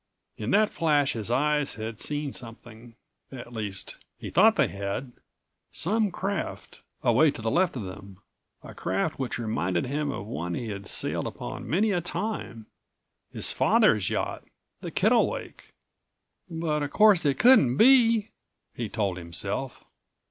In that flash his eyes had seen something; at least, he thought they had; some craft away to the left of them; a craft which reminded him of one he had sailed upon many a time; his father's yacht, the Kittlewake. "But of course it couldn't be," he told himself.